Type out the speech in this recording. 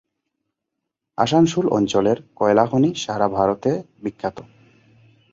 আসানসোল অঞ্চলের কয়লাখনি সারা ভারতে বিখ্যাত।